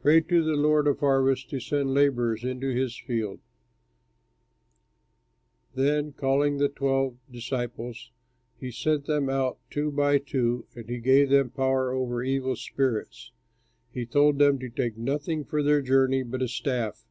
Pray to the lord of the harvest to send laborers into his fields." Then calling the twelve disciples, he sent them out two by two; and he gave them power over evil spirits. He told them to take nothing for their journey but a staff.